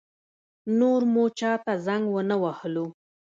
نور مو چا ته زنګ ونه وهلو.